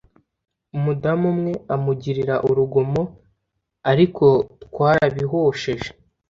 umudamu umwe amugirira urugomo ariko twarabihosheje”